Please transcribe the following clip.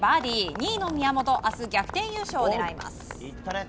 ２位の宮本明日、逆転優勝を狙います。